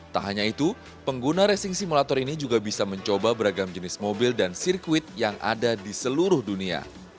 tak hanya itu pengguna racing simulator ini juga bisa mencoba beragam jenis mobil dan sirkuit yang ada di seluruh dunia